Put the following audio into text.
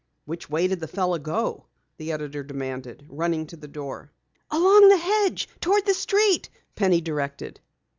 "Which way did the fellow go?" the editor demanded, running to the door. "Along the hedge toward the street!" Penny directed.